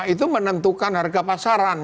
itu menentukan harga pasaran